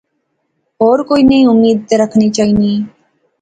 ہور کوئی نی امید تے رخنی چاینی